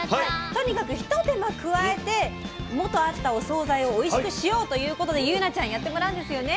とにかく一手間加えて元あったお総菜をおいしくしようということで祐奈ちゃんやってもらうんですよね？